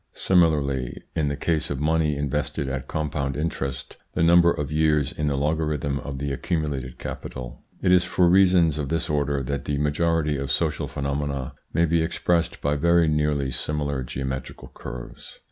Similarly in the case of money invested at compound interest, the number of years is the logarithm of the accumulated capital. It is for reasons of this order that the majority of social phenomena may be expressed by very nearly similar geometrical curves.